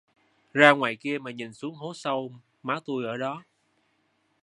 Ra ngoài kia mà nhìn xuống hố sâu má tôi ở đó